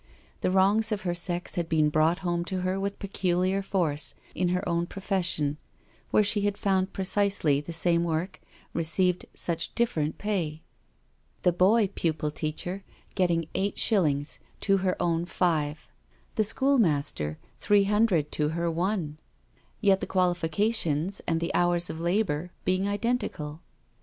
The wrongs of her sex had been brought home to her with peculiar force in her own profession, where she found precisely the same work received such different pay; 179 i8o NO SURRENDER the boy pupil teacher getting eight shillings to her own five, the schoolmaster, three hundred to her one, yet the qualifications and the hours of labour being identi cal.